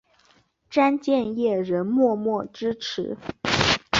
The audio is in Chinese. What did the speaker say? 詹建业仍默默支持。